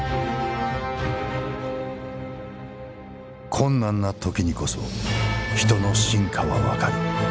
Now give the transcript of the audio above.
「困難な時にこそ人の真価は判る」。